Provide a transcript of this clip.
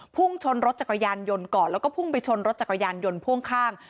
พุ่งชนรถจักรยานยนต์ก่อนแล้วก็พุ่งไปชนรถจักรยานยนต์พ่วงข้าง